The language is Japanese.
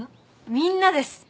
みんなです。